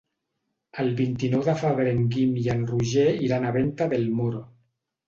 El vint-i-nou de febrer en Guim i en Roger iran a Venta del Moro.